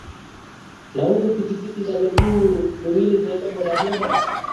na huku pikipiki zile za miguu miwili zinaitwa boda boda